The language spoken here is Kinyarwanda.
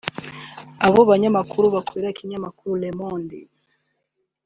Abo banyamakuru bakorera ibinyamakuru “Le monde”